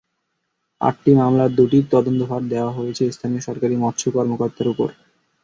আটটি মামলার দুটির তদন্তভার দেওয়া হয়েছে স্থানীয় সরকারি মৎস্য কর্মকর্তার ওপর।